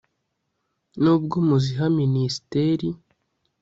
nubwo muziha minisiteri